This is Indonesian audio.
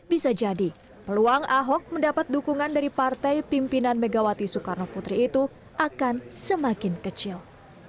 bisa jadi peluang ahok mendapat dukungan dari partai pimpinan megawati soekarno putri itu akan semakin kecil